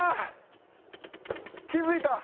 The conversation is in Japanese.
気付いた？